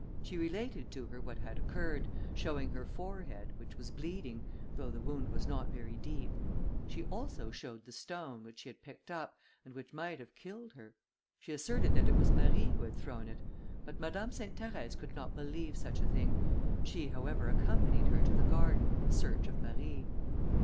She related to her what had occurred, showing her forehead, which was bleeding, though the wound was not very deep; she also showed the stone, which she had picked up, and which might have killed her. She asserted that it was Marie who had thrown it; but Madame Sainte Therèse could not believe such a thing. She, however, accompanied her to the garden, in search of Marie.